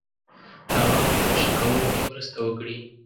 هغه په خوشي کولو کې مرسته وکړي.